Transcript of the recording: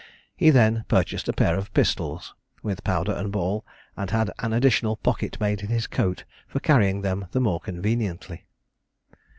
He then purchased a pair of pistols, with powder and ball, and had an additional pocket made in his coat for carrying them the more conveniently.